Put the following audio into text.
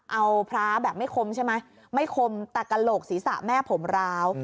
เอาพระแบบไม่คมใช่ไหมไม่คมแต่กระโหลกศีรษะแม่ผมร้าว